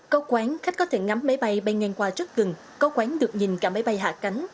có quán khách có thể ngắm máy bay bay ngang qua rất gần có quán được nhìn cả máy bay hạ cánh